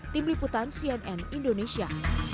tim liputan cnn indonesia